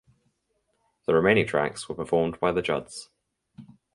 The remaining tracks were performed by The Judds.